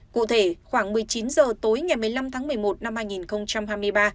cụ thể khoảng một mươi chín h tối ngày một mươi năm tháng một mươi một năm hai nghìn hai mươi ba